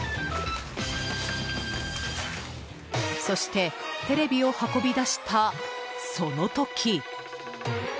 そしてテレビを運び出したその時。